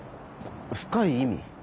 深い意味？